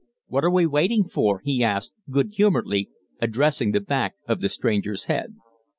"What are we waiting for?" he asked, good humoredly, addressing the back of the stranger's head.